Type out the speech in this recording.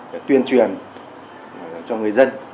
để tuyên truyền cho người dân